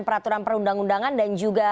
peraturan perundang undangan dan juga